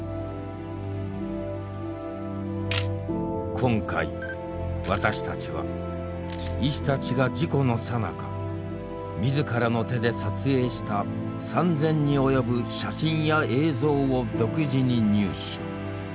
今回私たちは医師たちが事故のさなか自らの手で撮影した３千に及ぶ写真や映像を独自に入手。